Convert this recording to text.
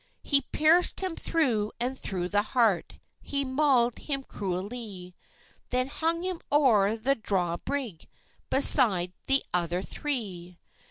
He pierced him through and through the heart, He maul'd him cruellie; Then hung him o'er the draw brig, Beside the other three.